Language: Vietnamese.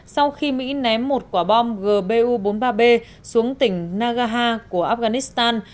sau khi mỹ ném một quả bom gbu bốn mươi ba b xuống tỉnh nagaha của afghanistan